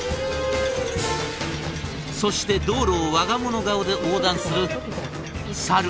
そして道路を我が物顔で横断するサル！